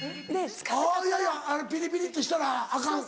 あぁいやいや「ピリピリってしたらアカン。